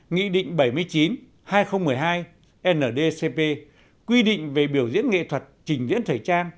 nghị định bảy mươi chín hai nghìn một mươi hai ndcp quy định về biểu diễn nghệ thuật trình diễn thời trang